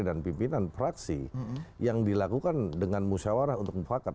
dan pimpinan fraksi yang dilakukan dengan musyawarah untuk memfakat